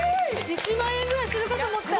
１万円ぐらいするかと思った！